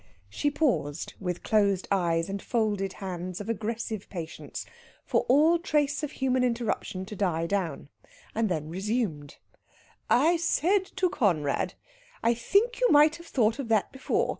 She paused, with closed eyes and folded hands of aggressive patience, for all trace of human interruption to die down; then resumed: "I said to Conrad: 'I think you might have thought of that before.'